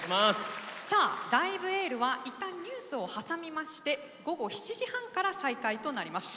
さあ、「ライブ・エール」はいったんニュースを挟みまして午後７時半から再開となります。